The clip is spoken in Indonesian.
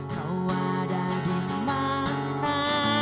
kau ada dimana